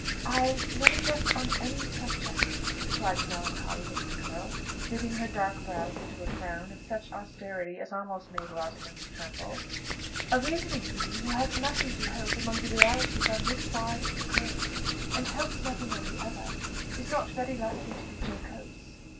"I never jest on any subject," replied the melancholy looking girl, knitting her dark brows into a frown of such austerity as almost made Rosalind tremble. "A reasoning being who has nothing to hope among the realities on this side the grave, and hopes nothing on the other, is not very likely to be jocose."